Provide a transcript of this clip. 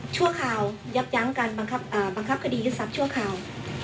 ชั่วคราวยับย้างการบังคับอ่าบังคับคดียึดทรัพย์ชั่วคราว